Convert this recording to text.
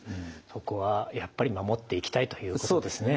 そこはやっぱり守っていきたいということですね。